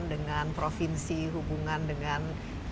dengan provinsi hubungan dengan